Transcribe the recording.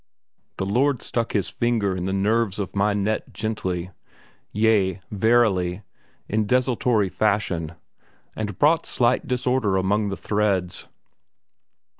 The Lord stuck His finger in the net of my nerves gently yea, verily, in desultory fashion and brought slight disorder among the threads.